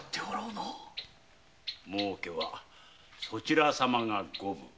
儲けはそちら様が五分。